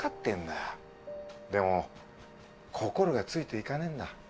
でも心がついていかねえんだ。